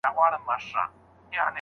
زه له غمه سينه چاک درته ولاړ يم